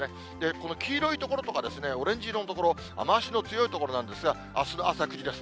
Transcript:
この黄色い所とかオレンジ色の所、雨足の強い所なんですが、あすの朝９時です。